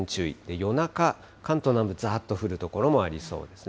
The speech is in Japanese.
夜中、関東南部、ざーっと降る所もありそうですね。